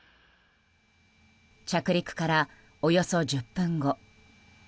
着陸からおよそ１０分後。